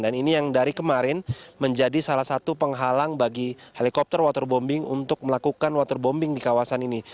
dan ini yang dari kemarin menjadi salah satu penghalang bagi helikopter waterbombing untuk melakukan waterbombing di kawasan ini